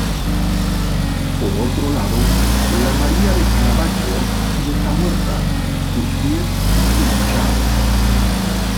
Por otro lado, la María de Caravaggio sí está muerta; sus pies, hinchados.